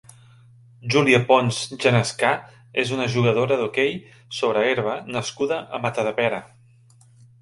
Júlia Pons Genescà és una jugadora d'hoquei sobre herba nascuda a Matadepera.